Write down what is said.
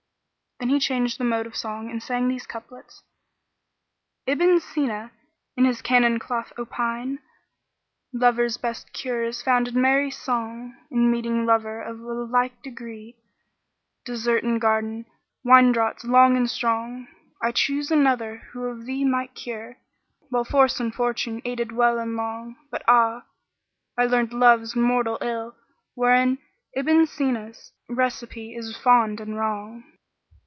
Then he changed the mode of song and sang these couplets: "Ibn Síná[FN#42] in his Canon cloth opine * Lovers' best cure is found in merry song: In meeting lover of a like degree, * Dessert in garden, wine draughts long and strong: I chose another who of thee might cure * While Force and Fortune aided well and long But ah! I learnt Love's mortal ill, wherein * Ibn Sina's recipe is fond and wrong."